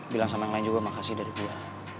bilang sama yang lain juga makasih dari dia